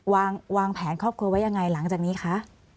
วางแผนครอบครัวไว้ยังไงหลังจากนี้คะ